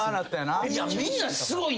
みんなすごいな。